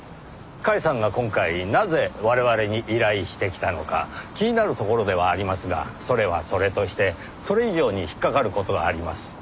甲斐さんが今回なぜ我々に依頼してきたのか気になるところではありますがそれはそれとしてそれ以上に引っかかる事があります。